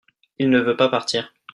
il ne veut pas partir.